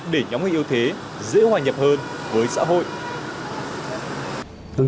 để nhóm người yếu thế dễ hòa nhập hơn với xã hội